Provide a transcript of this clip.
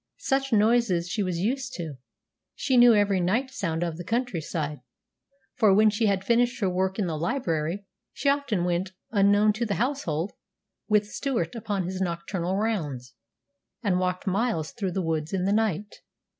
Such noises she was used to. She knew every night sound of the country side; for when she had finished her work in the library she often went, unknown to the household, with Stewart upon his nocturnal rounds, and walked miles through the woods in the night.